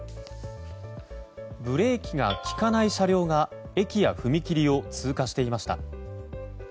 ブレーキが利かない車両が駅や踏切を通過していました。